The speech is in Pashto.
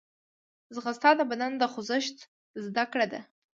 ځغاسته د بدن د خوځښت زدهکړه ده